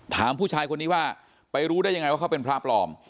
ถามผู้ชายคนนี้ว่าไปรู้ได้ยังไงว่าเขาเป็นพระปลอม